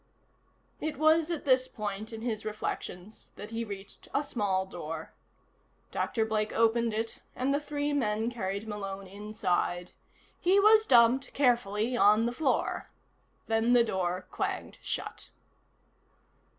It was at this point in his reflections that he reached a small door. Dr. Blake opened it and the three men carried Malone inside. He was dumped carefully on the floor. Then the door clanged shut.